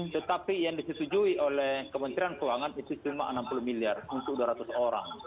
tetapi yang disetujui oleh kementerian keuangan itu cuma enam puluh miliar untuk dua ratus orang